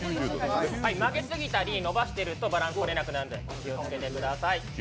曲げすぎたり、伸ばしているとバランスとれなくなるので気をつけてください。